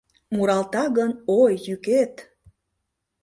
Муралта гын — ой, йӱкет...